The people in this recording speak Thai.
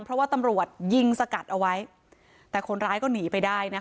เพราะว่าตำรวจยิงสกัดเอาไว้แต่คนร้ายก็หนีไปได้นะคะ